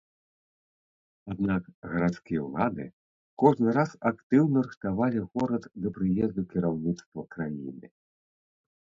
Аднак гарадскія ўлады кожны раз актыўна рыхтавалі горад да прыезду кіраўніцтва краіны.